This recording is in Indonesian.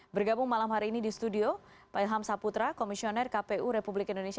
bergabung malam hari ini di studio pak ilham saputra komisioner kpu republik indonesia